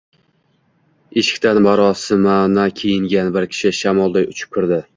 Eshikdan marosimona kiyingan bir kishi shamolday uchib kirdi